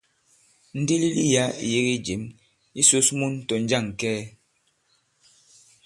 Ndilili yǎ ì yege jěm. Ǐ sǔs mun tɔ̀ jȃŋ kɛɛ.